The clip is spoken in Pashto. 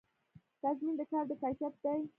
تضمین د کار د کیفیت دی